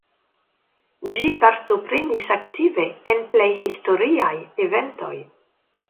Ĝi partoprenis aktive en plej historiaj eventoj.